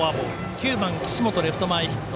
９番岸本レフト前ヒット。